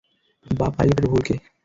বা পাইলটের ভুলকে।